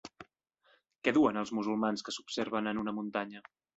Què duen els musulmans que s'observen en una muntanya?